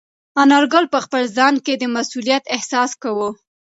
انارګل په خپل ځان کې د مسؤلیت احساس کاوه.